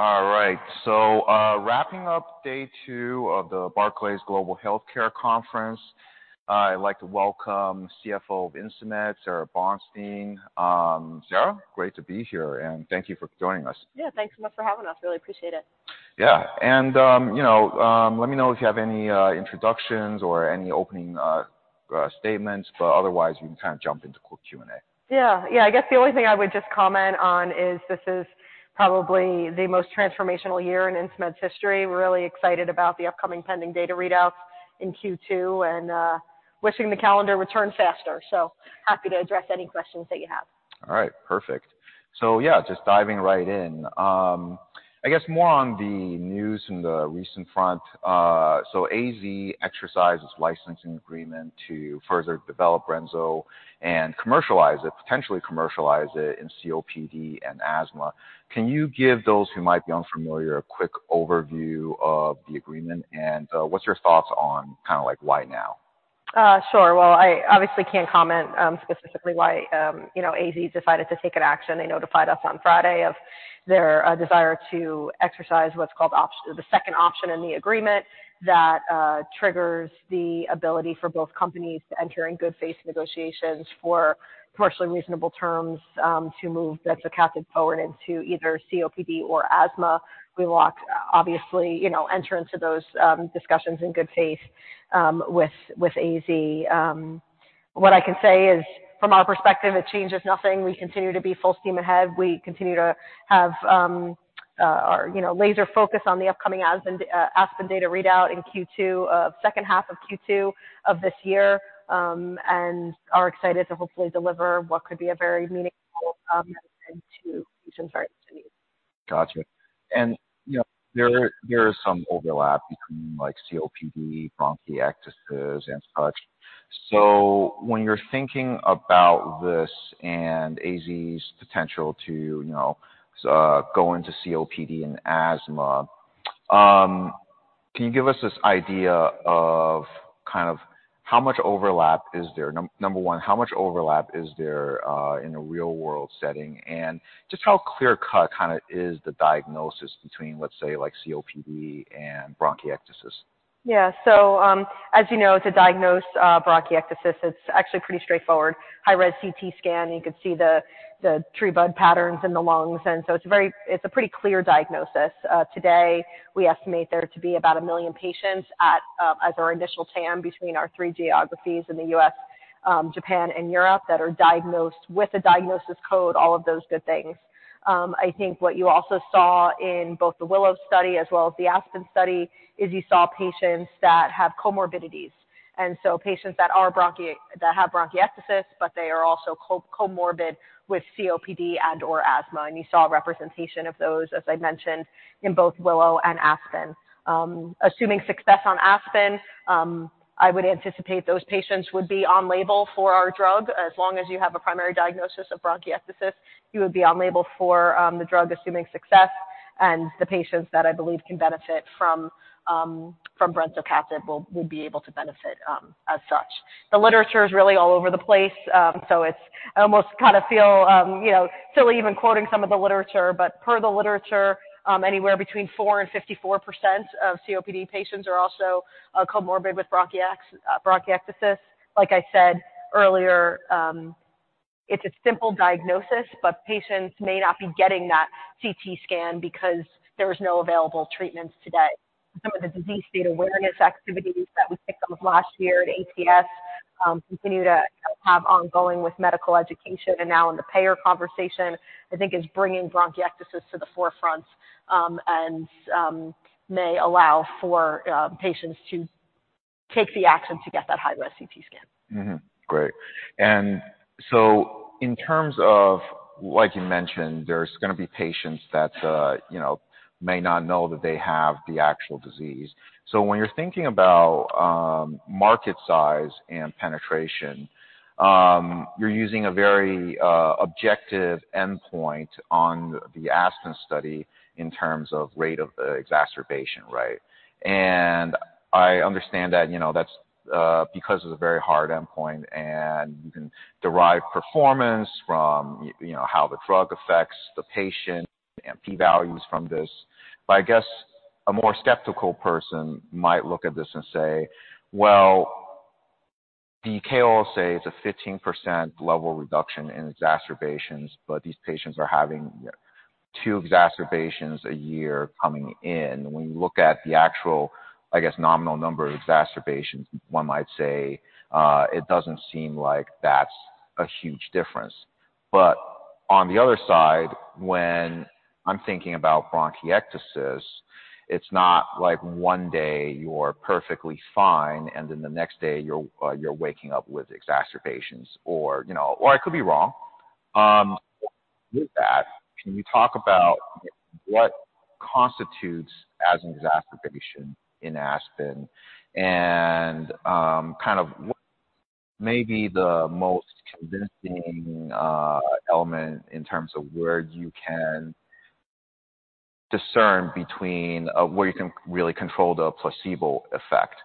All right. So wrapping up day two of the Barclays Global Healthcare Conference. I'd like to welcome CFO of Insmed, Sara Bonstein. Sara, great to be here and thank you for joining us. Yeah, thanks so much for having us. Really appreciate it. Yeah. You know let me know if you have any introductions or any opening statements. Otherwise we can kinda jump into quick Q and A. Yeah. Yeah, I guess the only thing I would just comment on is this is probably the most transformational year in Insmed's history. Really excited about the upcoming pending data readouts in Q2 and wishing the calendar returned faster. So happy to address any questions that you have. All right. Perfect. So yeah, just diving right in. I guess more on the news from the recent front. So AZ exercised the licensing agreement to further develop brensocatib and commercialize it, potentially commercialize it in COPD and asthma. Can you give those who might be unfamiliar a quick overview of the agreement? And what's your thoughts on kinda like why now? Sure. Well, I obviously can't comment specifically why, you know, AZ decided to take an action. They notified us on Friday of their desire to exercise what's called the second option in the agreement that triggers the ability for both companies to enter in good faith negotiations for commercially reasonable terms to move that asset forward into either COPD or asthma. We will obviously, you know, enter into those discussions in good faith with AZ. What I can say is from our perspective it changes nothing. We continue to be full steam ahead. We continue to have our, you know, laser focus on the upcoming asthma data readout in Q2 H2 of Q2 of this year. Are excited to hopefully deliver what could be a very meaningful medicine to patients very much in need. Gotcha. And you know there is some overlap between like COPD, bronchiectasis and such. So when you're thinking about this and AZ's potential to you know go into COPD and asthma, can you give us this idea of kind of how much overlap is there? Number one, how much overlap is there in a real world setting? And just how clear cut kinda is the diagnosis between let's say like COPD and bronchiectasis? Yeah. So as you know, to diagnose bronchiectasis it's actually pretty straightforward. High-res CT scan you could see the tree-in-bud patterns in the lungs. And so it's a very it's a pretty clear diagnosis. Today we estimate there to be about 1 million patients as our initial TAM between our three geographies in the U.S., Japan, and Europe that are diagnosed with a diagnosis code all of those good things. I think what you also saw in both the WILLOW study as well as the ASPEN study is you saw patients that have comorbidities. And so patients that are bronchi that have bronchiectasis but they are also comorbid with COPD and/or asthma. And you saw representation of those as I mentioned in both WILLOW and ASPEN. Assuming success on ASPEN I would anticipate those patients would be on label for our drug. As long as you have a primary diagnosis of bronchiectasis, you would be on label for the drug assuming success. And the patients that I believe can benefit from brensocatib would be able to benefit as such. The literature's really all over the place. I almost kinda feel you know silly even quoting some of the literature. But per the literature, anywhere between 4%-54% of COPD patients are also comorbid with bronchiectasis. Like I said earlier, it's a simple diagnosis but patients may not be getting that CT scan because there's no available treatments today. Some of the disease state awareness activities that we picked up last year at ATS continue to you know have ongoing with medical education. And now in the payer conversation I think is bringing bronchiectasis to the forefront. And as may allow for patients to take the action to get that high-res CT scan. Mm-hmm. Great. And so in terms of like you mentioned there's gonna be patients that's you know may not know that they have the actual disease. So when you're thinking about market size and penetration you're using a very objective endpoint on the ASPEN study in terms of rate of exacerbation right? And I understand that you know that's because it's a very hard endpoint and you can derive performance from you know how the drug affects the patient and p-values from this. But I guess a more skeptical person might look at this and say well the KOLs say it's a 15% level reduction in exacerbations but these patients are having you know 2 exacerbations a year coming in. When you look at the actual I guess nominal number of exacerbations one might say it doesn't seem like that's a huge difference. But on the other side, when I'm thinking about bronchiectasis, it's not like one day you're perfectly fine and then the next day you're waking up with exacerbations. Or, you know, or I could be wrong. With that, can you talk about what constitutes as an exacerbation in ASPEN? And kind of what may be the most convincing element in terms of where you can discern between where you can really control the placebo effect?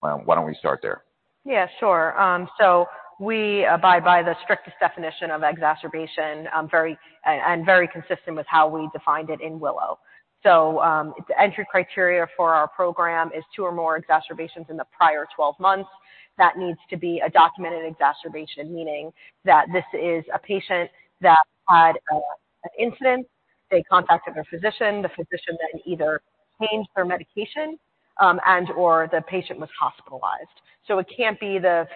Why don't we start there? Yeah, sure. So we abide by the strictest definition of exacerbation very and very consistent with how we defined it in WILLOW. So the entry criteria for our program is 2 or more exacerbations in the prior 12 months. That needs to be a documented exacerbation, meaning that this is a patient that had an incident. They contacted their physician. The physician then either changed their medication and/or the patient was hospitalized. So it can't be the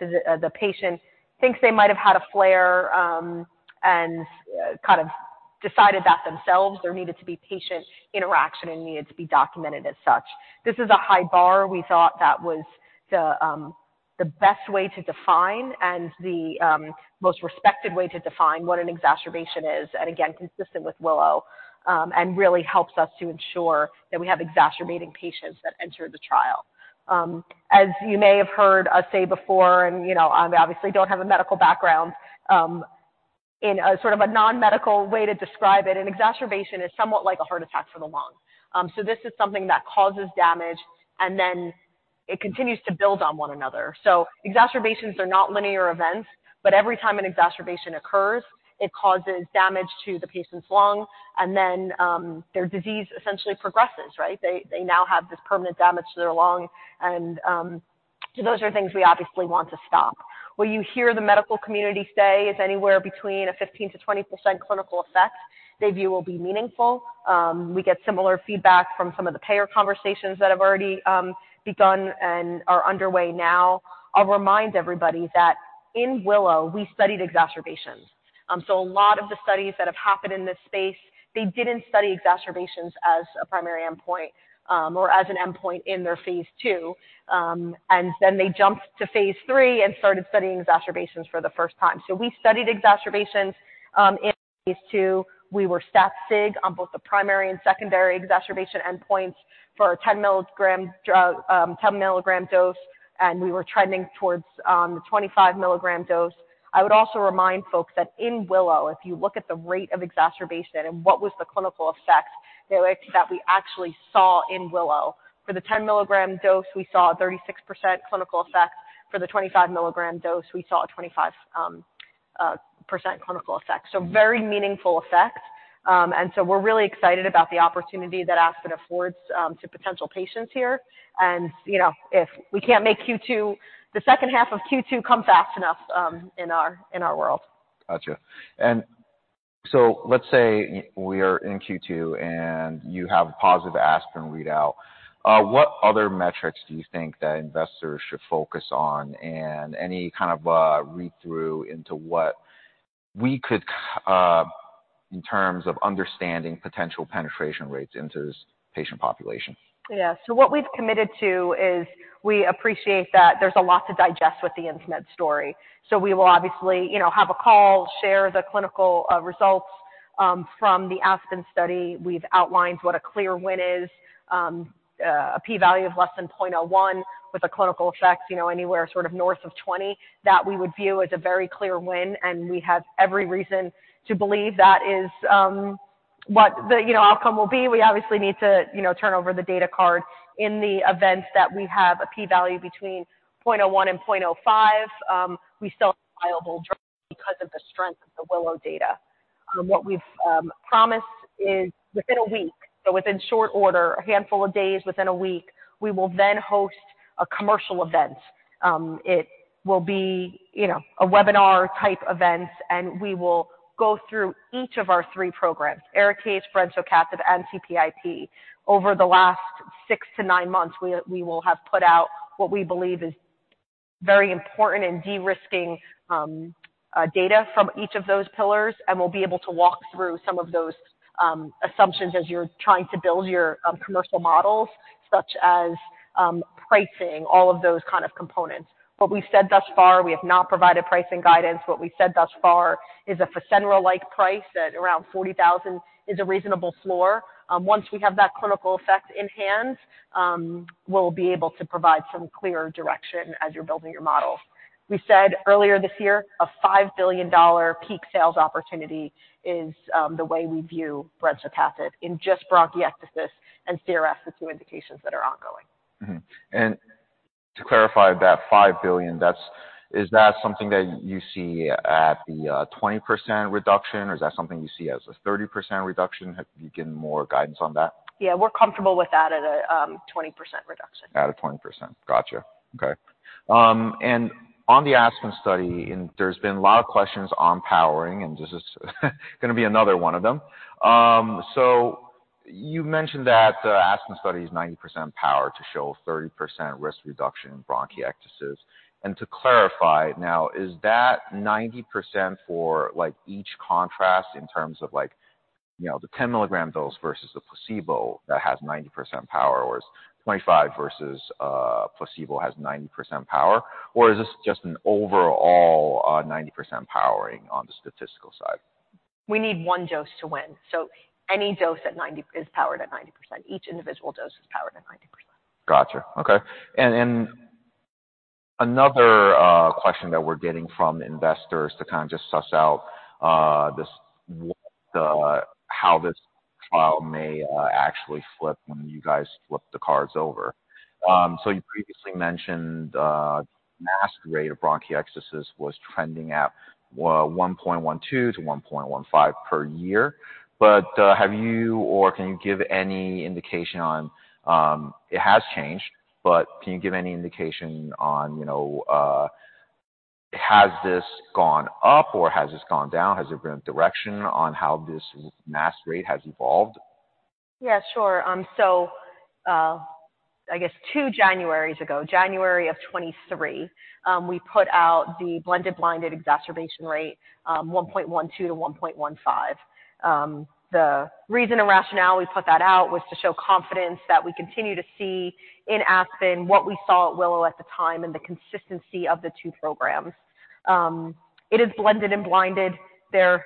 patient thinks they might have had a flare and so kind of decided that themselves. There needed to be patient interaction and it needed to be documented as such. This is a high bar. We thought that was the best way to define and the most respected way to define what an exacerbation is. And again consistent with WILLOW and really helps us to ensure that we have exacerbating patients that enter the trial. As you may have heard us say before and you know I obviously don't have a medical background in a sort of a non-medical way to describe it an exacerbation is somewhat like a heart attack for the lung. So this is something that causes damage and then it continues to build on one another. So exacerbations are not linear events but every time an exacerbation occurs it causes damage to the patient's lung. And then their disease essentially progresses right? They now have this permanent damage to their lung and so those are things we obviously want to stop. What you hear the medical community say is anywhere between a 15%-20% clinical effect they view will be meaningful. We get similar feedback from some of the payer conversations that have already begun and are underway now. I'll remind everybody that in WILLOW we studied exacerbations. So a lot of the studies that have happened in this space they didn't study exacerbations as a primary endpoint or as an endpoint in their phase II. And then they jumped to phase III and started studying exacerbations for the first time. So we studied exacerbations in phase II. We were stat-sig on both the primary and secondary exacerbation endpoints for a 10 mg 10 mg dose and we were trending towards the 25 mg dose. I would also remind folks that in WILLOW if you look at the rate of exacerbation and what was the clinical effect that we actually saw in WILLOW for the 10 mg dose we saw a 36% clinical effect. For the 25 mg dose we saw a 25% clinical effect. So very meaningful effect. And so we're really excited about the opportunity that ASPEN affords to potential patients here. And you know if we can't make Q2 the H2 of Q2 come fast enough in our in our world. Gotcha. And so let's say we are in Q2 and you have a positive ASPEN readout. What other metrics do you think that investors should focus on? And any kind of read-through into what we could see in terms of understanding potential penetration rates into this patient population? Yeah. So what we've committed to is we appreciate that there's a lot to digest with the Insmed story. So we will obviously you know have a call share the clinical results from the ASPEN study. We've outlined what a clear win is. A p-value of less than 0.01 with a clinical effect you know anywhere sort of north of 20 that we would view as a very clear win. And we have every reason to believe that is what the you know outcome will be. We obviously need to you know turn over the data card in the event that we have a p-value between 0.01 and 0.05. We still have a viable drug because of the strength of the WILLOW data. What we've promised is within a week, so within short order, a handful of days, within a week, we will then host a commercial event. It will be, you know, a webinar-type event, and we will go through each of our three programs: ARIKAYCE, brensocatib, and TPIP. Over the last 6-9 months, we will have put out what we believe is very important and de-risking data from each of those pillars. We'll be able to walk through some of those assumptions as you're trying to build your commercial models, such as pricing, all of those kind of components. What we've said thus far, we have not provided pricing guidance. What we've said thus far is a Fasenra-like price at around $40,000 is a reasonable floor. Once we have that clinical effect in hand, we'll be able to provide some clear direction as you're building your models. We said earlier this year a $5 billion peak sales opportunity is the way we view brensocatib in just bronchiectasis and CRS, the two indications that are ongoing. Mm-hmm. And to clarify, that $5 billion, is that something that you see at the 20% reduction? Or is that something you see as a 30% reduction? Have you given more guidance on that? Yeah. We're comfortable with that at a 20% reduction. At a 20%. Gotcha. Okay. On the ASPEN study and there's been a lot of questions on powering and this is gonna be another one of them. So you mentioned that the ASPEN study is 90% powered to show 30% risk reduction in bronchiectasis. And to clarify now is that 90% for like each contrast in terms of like you know the 10 mg dose versus the placebo that has 90% power? Or is 25 versus placebo has 90% power? Or is this just an overall 90% powering on the statistical side? We need one dose to win. So any dose at 90% is powered at 90%. Each individual dose is powered at 90%. Gotcha. Okay. And another question that we're getting from investors to kinda just suss out this what the how this trial may actually flip when you guys flip the cards over. So you previously mentioned the exacerbation rate of bronchiectasis was trending at what 1.12-1.15 per year. But have you or can you give any indication on it has changed but can you give any indication on you know has this gone up or has this gone down? Has there been a direction on how this exacerbation rate has evolved? Yeah, sure. So I guess two Januarys ago, January of 2023, we put out the blended blinded exacerbation rate 1.12-1.15. The reason and rationale we put that out was to show confidence that we continue to see in ASPEN what we saw at WILLOW at the time and the consistency of the two programs. It is blended and blinded. There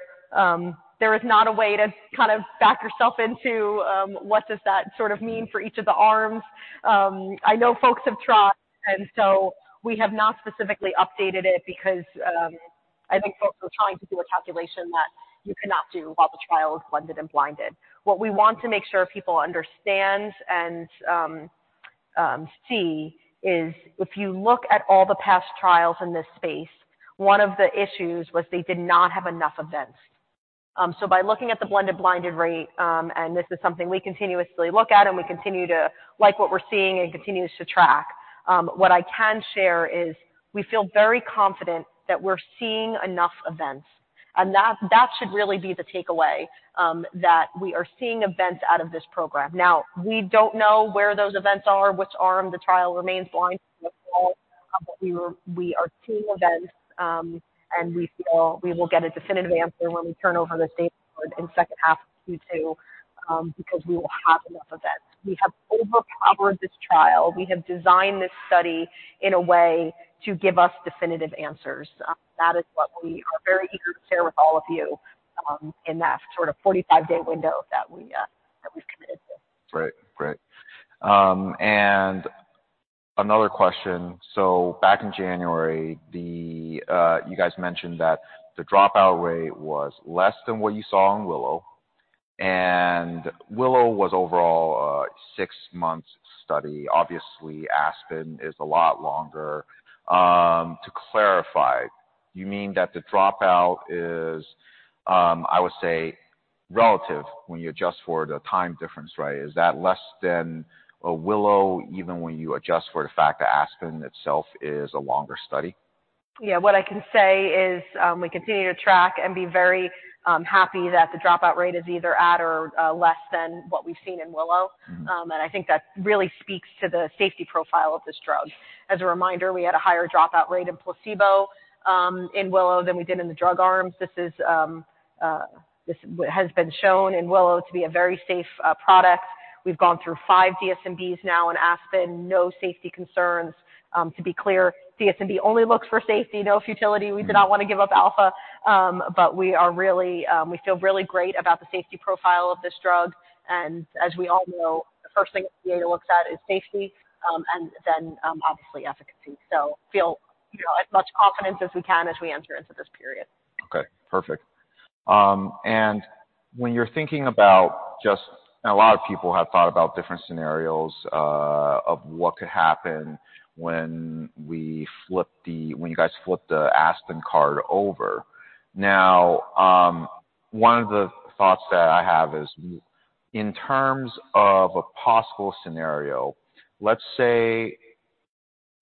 is not a way to kinda back yourself into what does that sort of mean for each of the arms. I know folks have tried and so we have not specifically updated it because I think folks were trying to do a calculation that you cannot do while the trial is blended and blinded. What we want to make sure people understand and see is if you look at all the past trials in this space, one of the issues was they did not have enough events. So by looking at the blended blinded rate, and this is something we continuously look at and we continue to like what we're seeing and continues to track, what I can share is we feel very confident that we're seeing enough events. And that should really be the takeaway that we are seeing events out of this program. Now we don't know where those events are; which arm the trial remains blinded in the fall. But we are seeing events and we feel we will get a definitive answer when we turn over the data card in H2 of Q2 because we will have enough events. We have overpowered this trial. We have designed this study in a way to give us definitive answers. That is what we are very eager to share with all of you in that sort of 45-day window that we've committed to. Great. Great. And another question. So back in January you guys mentioned that the dropout rate was less than what you saw in WILLOW. And WILLOW was overall a six months study. Obviously ASPEN is a lot longer. To clarify you mean that the dropout is I would say relative when you adjust for the time difference right? Is that less than a WILLOW even when you adjust for the fact that ASPEN itself is a longer study? Yeah. What I can say is we continue to track and be very happy that the dropout rate is either at or less than what we've seen in WILLOW and I think that really speaks to the safety profile of this drug. As a reminder we had a higher dropout rate in placebo in WILLOW than we did in the drug arms. This is; this has been shown in WILLOW to be a very safe product. We've gone through five DSMBs now in ASPEN. No safety concerns. To be clear DSMB only looks for safety no futility. We do not wanna give up alpha. But we are really we feel really great about the safety profile of this drug. And as we all know the first thing the data looks at is safety and then obviously efficacy. So we feel you know as much confidence as we can as we enter into this period. Okay. Perfect. And when you're thinking about just and a lot of people have thought about different scenarios of what could happen when you guys flip the ASPEN card over. Now one of the thoughts that I have is, in terms of a possible scenario, let's say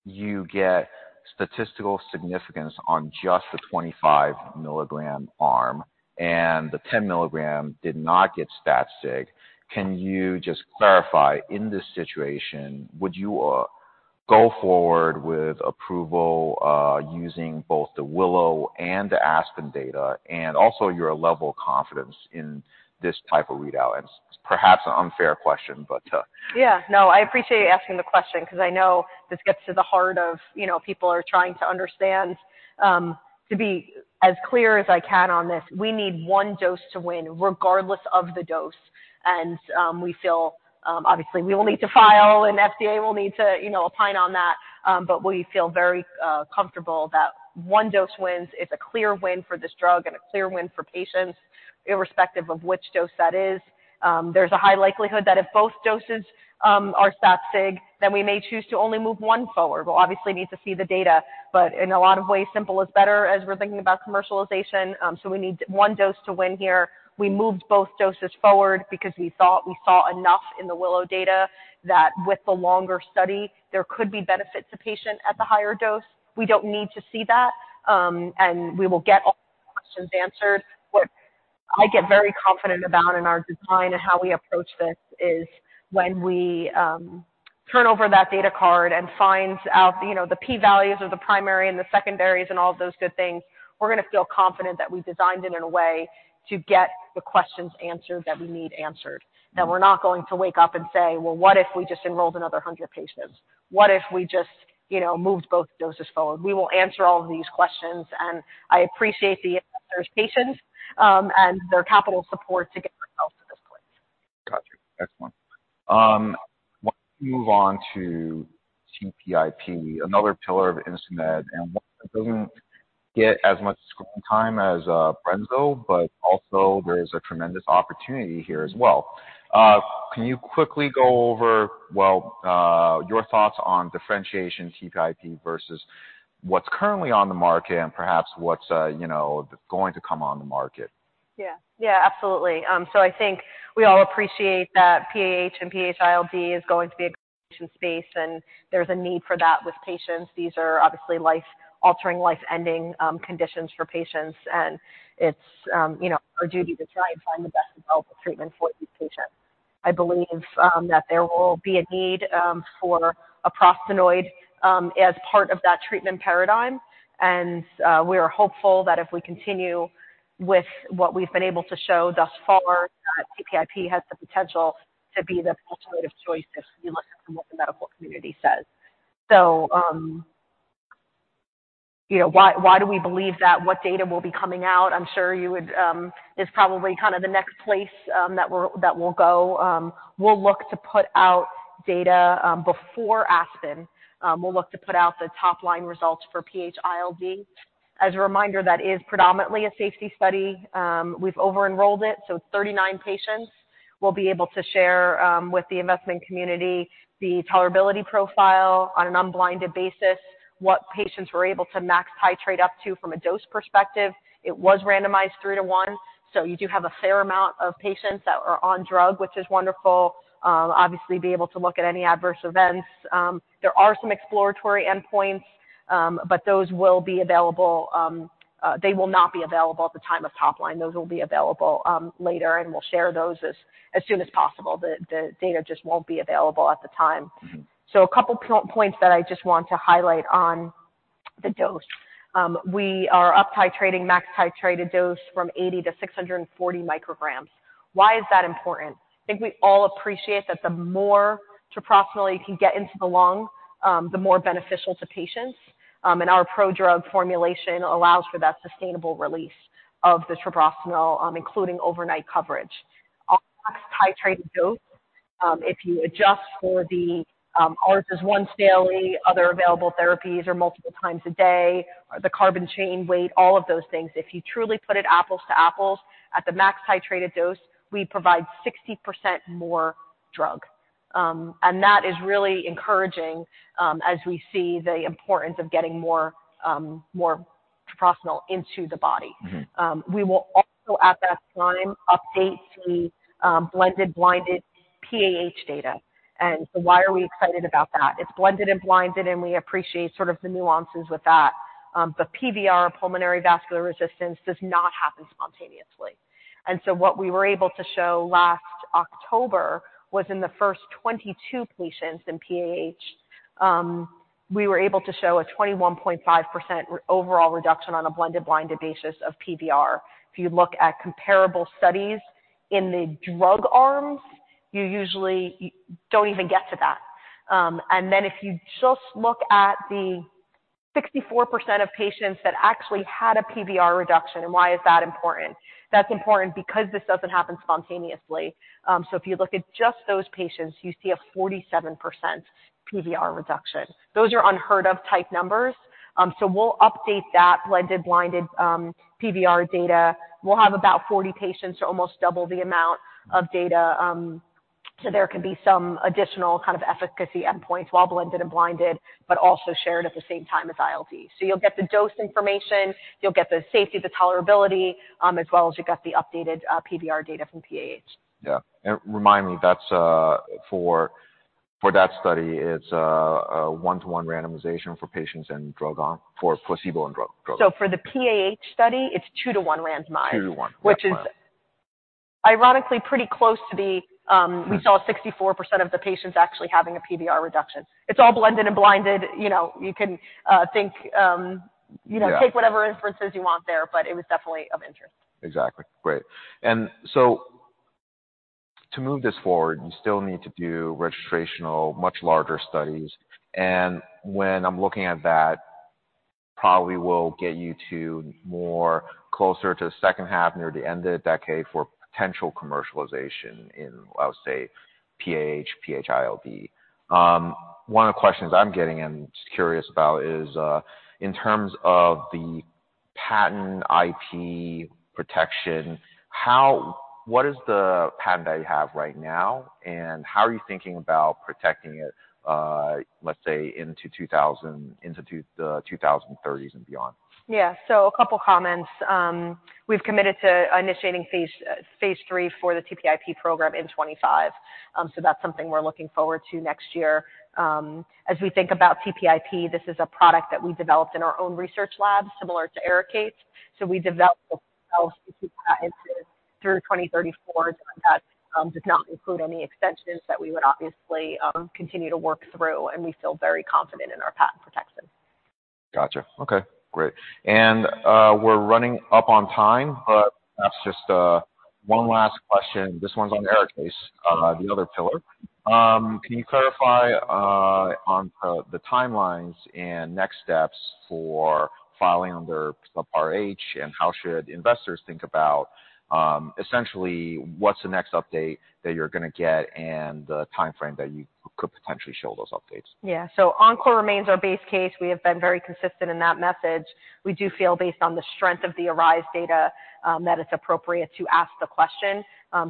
you get statistical significance on just the 25 mg arm and the 10 mg did not get stat-sig. Can you just clarify, in this situation, would you go forward with approval using both the WILLOW and the ASPEN data? And also your level of confidence in this type of readout. And perhaps an unfair question but Yeah. No, I appreciate you asking the question 'cause I know this gets to the heart of, you know, people are trying to understand. To be as clear as I can on this, we need one dose to win regardless of the dose. And we feel obviously we will need to file and FDA will need to, you know, opine on that. But we feel very comfortable that one dose wins. It's a clear win for this drug and a clear win for patients irrespective of which dose that is. There's a high likelihood that if both doses are stat-sig then we may choose to only move one forward. We'll obviously need to see the data. But in a lot of ways simple is better as we're thinking about commercialization. So we need one dose to win here. We moved both doses forward because we thought we saw enough in the WILLOW data that with the longer study there could be benefits to patients at the higher dose. We don't need to see that, and we will get all the questions answered. What I get very confident about in our design and how we approach this is when we turn over that data card and find out you know the p-values of the primary and the secondaries and all of those good things we're gonna feel confident that we designed it in a way to get the questions answered that we need answered. That we're not going to wake up and say well what if we just enrolled another 100 patients? What if we just you know moved both doses forward? We will answer all of these questions and I appreciate the investors' patience and their capital support to get ourselves to this place. Gotcha. Excellent. Why don't we move on to TPIP another pillar of Insmed and one that doesn't get as much screen time as Brenzo but also there is a tremendous opportunity here as well. Can you quickly go over well your thoughts on differentiation TPIP versus what's currently on the market and perhaps what's you know that's going to come on the market? Yeah. Yeah, absolutely. So I think we all appreciate that PAH and PH-ILD is going to be a great innovation space and there's a need for that with patients. These are obviously life-altering life-ending conditions for patients. And it's you know our duty to try and find the best available treatment for these patients. I believe that there will be a need for a prostanoid as part of that treatment paradigm. And we are hopeful that if we continue with what we've been able to show thus far that TPIP has the potential to be the alternative choice if we listen to what the medical community says. So you know why do we believe that? What data will be coming out? I'm sure you would is probably kinda the next place that we'll go. We'll look to put out data before ASPEN. We'll look to put out the top-line results for PH-ILD. As a reminder, that is predominantly a safety study. We've over-enrolled it, so it's 39 patients. We'll be able to share with the investment community the tolerability profile on an unblinded basis. What patients were able to max titrate up to from a dose perspective. It was randomized 3-to-1. So you do have a fair amount of patients that are on drug, which is wonderful. Obviously be able to look at any adverse events. There are some exploratory endpoints, but those will be available. They will not be available at the time of top-line. Those will be available later, and we'll share those as soon as possible. The data just won't be available at the time. So a couple points that I just want to highlight on the dose. We are up titrating max titrated dose from 80 to 640 micrograms. Why is that important? I think we all appreciate that the more treprostinil you can get into the lung the more beneficial to patients. And our pro-drug formulation allows for that sustainable release of the treprostinil including overnight coverage. All max titrated dose if you adjust for the hours is once daily. Other available therapies are multiple times a day or the carbon chain weight all of those things. If you truly put it apples to apples at the max titrated dose we provide 60% more drug. And that is really encouraging as we see the importance of getting more more treprostinil into the body. We will also at that time update the blended blinded PAH data. So why are we excited about that? It's blended and blinded and we appreciate sort of the nuances with that. But PVR pulmonary vascular resistance does not happen spontaneously. So what we were able to show last October was in the first 22 patients in PAH we were able to show a 21.5% overall reduction on a blended blinded basis of PVR. If you look at comparable studies in the drug arms you usually you don't even get to that. And then if you just look at the 64% of patients that actually had a PVR reduction and why is that important? That's important because this doesn't happen spontaneously. So if you look at just those patients you see a 47% PVR reduction. Those are unheard-of type numbers. So we'll update that blended blinded PVR data. We'll have about 40 patients or almost double the amount of data. So there can be some additional kind of efficacy endpoints while blended and blinded but also shared at the same time as ILD. So you'll get the dose information. You'll get the safety, the tolerability, as well as you've got the updated PVR data from PAH. Yeah. And remind me that's for that study it's a one-to-one randomization for patients and drug arm for placebo and drug. For the PAH study it's 2:1 randomized. Two-to-one. Which is ironically pretty close to what we saw 64% of the patients actually having a PVR reduction. It's all blended and blinded you know. You can think you know take whatever inferences you want there but it was definitely of interest. Exactly. Great. And so to move this forward you still need to do registrational much larger studies. And when I'm looking at that probably will get you to and more closer to the H2 near the end of the decade for potential commercialization in I would say PAH, PH-ILD. One of the questions I'm getting and just curious about is in terms of the patent IP protection how what is the patent that you have right now? And how are you thinking about protecting it let's say into the 2030s and beyond? Yeah. So a couple comments. We've committed to initiating phase III for the TPIP program in 2025. So that's something we're looking forward to next year. As we think about TPIP, this is a product that we developed in our own research labs similar to ARIKAYCE. So we developed our own patents through 2034. That does not include any extensions that we would obviously continue to work through. And we feel very confident in our patent protection. Gotcha. Okay. Great. And we're running up on time but perhaps just one last question. This one's on ARIKAYCE, the other pillar. Can you clarify on PRO the timelines and next steps for filing under Subpart H? And how should investors think about essentially what's the next update that you're gonna get and the timeframe that you could potentially show those updates? Yeah. So ENCORE remains our base case. We have been very consistent in that message. We do feel based on the strength of the ARISE data that it's appropriate to ask the question.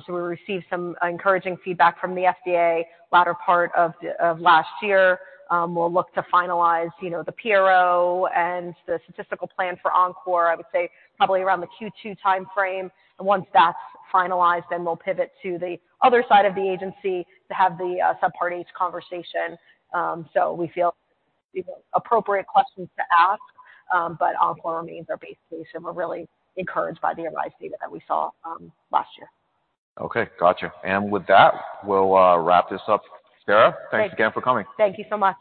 So we received some encouraging feedback from the FDA latter part of last year. We'll look to finalize you know the PRO and the statistical plan for ENCORE I would say probably around the Q2 timeframe. And once that's finalized then we'll pivot to the other side of the agency to have the Subpart H conversation. So we feel these are appropriate questions to ask. But ENCORE remains our base case and we're really encouraged by the ARISE data that we saw last year. Okay. Gotcha. With that we'll wrap this up, Sara. Thank you. Thanks again for coming. Thank you so much.